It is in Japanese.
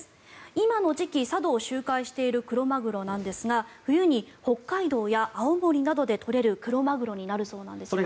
今の時期、佐渡を周回しているクロマグロなんですが冬に北海道や青森などで取れるクロマグロになるそうなんですね。